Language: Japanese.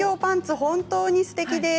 本当にすてきです。